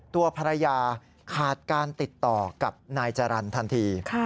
ตัวภรรยาขาดการติดต่อกับนายจรรย์ทันที